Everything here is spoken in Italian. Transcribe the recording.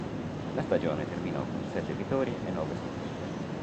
La stagione terminò con sette vittorie e nove sconfitte.